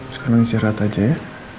sekarang istirahat aja ya